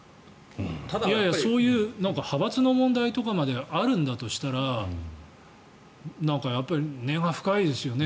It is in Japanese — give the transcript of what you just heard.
そういう派閥の問題とかまであるんだとしたらやっぱり根が深いですよね。